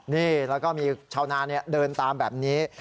นี่แล้วก็มีชาวนาเดินตามแบบนี้